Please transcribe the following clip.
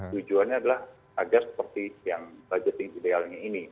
tujuannya adalah agar seperti yang budgeting idealnya ini